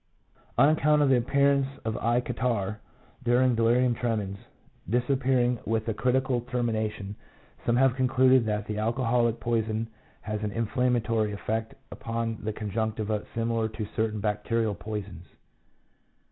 On account of the appearance of eye catarrh during delirium tremens, disappearing with the critical ter mination, some have concluded that the alcoholic poison has an inflammatory effect upon the con junctiva, similiar to certain bacterial poisons.